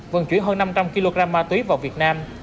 vận chuyển hơn năm trăm linh kg ma túy vào việt nam